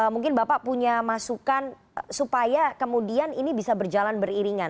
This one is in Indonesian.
mungkin bapak punya masukan supaya kemudian ini bisa berjalan beriringan